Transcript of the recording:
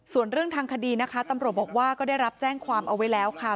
ส่วนเรื่องทางคดีนะคะตำรวจบอกว่าก็ได้รับแจ้งความเอาไว้แล้วค่ะ